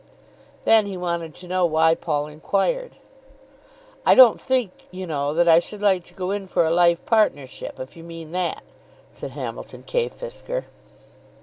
Then he wanted to know why Paul inquired. "I don't think, you know, that I should like to go in for a life partnership, if you mean that," said Hamilton K. Fisker.